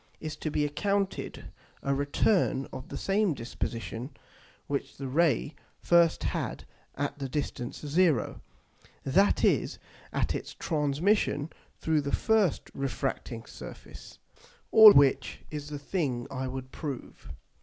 is to be accounted a return of the same disposition which the Ray first had at the distance 0, that is at its transmission through the first refracting Surface. All which is the thing I would prove.